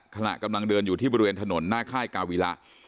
ขณะกำลังเดินอยู่ที่บริเวณถนนหน้าค่ายกาวิระ